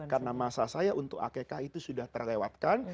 karena masa saya untuk akikah itu sudah terlewatkan